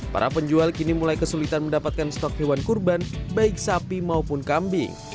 para penjual kini mulai kesulitan mendapatkan stok hewan kurban baik sapi maupun kambing